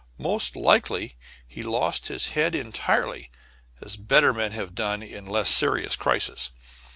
Most likely he lost his head entirely, as better men have done in less serious crises.